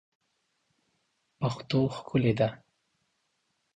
پښتو ښکلې ده